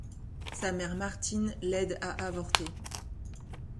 Sa mère Martine l'aide à avorter.